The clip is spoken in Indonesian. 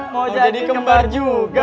mau jadi kembar juga